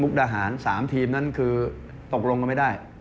ดาหาร๓ทีมนั้นคือตกลงกันไม่ได้